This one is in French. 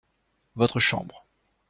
Votre chambre.